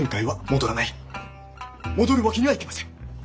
戻るわけにはいきません！